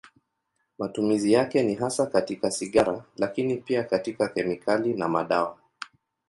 Matumizi yake ni hasa katika sigara, lakini pia katika kemikali na madawa.